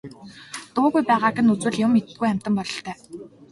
Дуугүй байгааг нь үзвэл юм мэддэггүй амьтан бололтой.